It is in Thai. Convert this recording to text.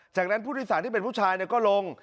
จากนั้นผู้ทฤษฐานที่เป็นผู้ชายเนี่ยก็ลง